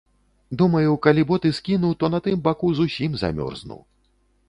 Думаю, калі боты скіну, то на тым баку зусім замёрзну.